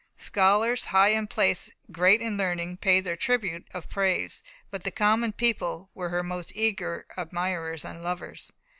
Scholars, high in place, great in learning, paid her their tribute of praise. But the common people were her most eager admirers and lovers.